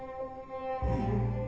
うん。